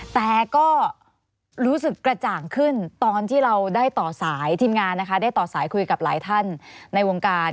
แต่ก็รู้สึกกระจ่างขึ้นตอนที่เราได้ต่อสายทีมงานนะคะได้ต่อสายคุยกับหลายท่านในวงการ